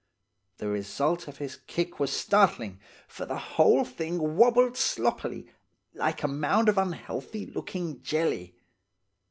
The result of his kick was startling, for the whole thing wobbled sloppily, like a mound of unhealthy looking jelly.